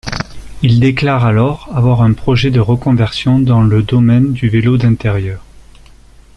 Il déclare alors avoir un projet de reconversion dans le domaine du vélo d'intérieur.